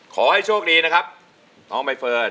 ขอให้โชคดีนะครับน้องใบเฟิร์น